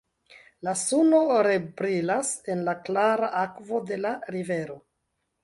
La suno rebrilas en la klara akvo de la rivero.